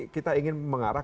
kita ingin mengarah